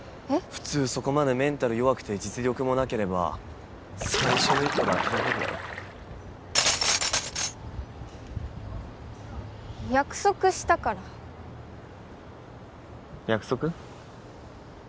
普通そこまでメンタル弱くて実力もなければ最初の一歩で諦めるだろ約束したから約束？